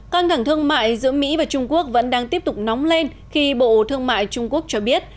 căng thẳng thương mại giữa mỹ và trung quốc vẫn đang tiếp tục nóng lên khi bộ thương mại trung quốc cho biết